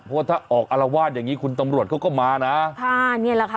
เพราะว่าถ้าออกอารวาสอย่างงี้คุณตำรวจเขาก็มานะค่ะนี่แหละค่ะ